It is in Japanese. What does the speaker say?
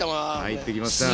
入ってきました。